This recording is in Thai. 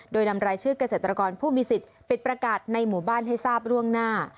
โดยนำรายชื่อเกษตรกรผู้มีสิทธิ์ปิดประกาศในหมู่บ้านให้ทราบร่วงหน้า